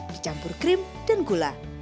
dicampur krim dan gula